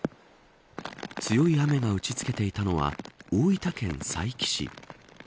強い雨が打ちつけていたのは大分県佐伯市。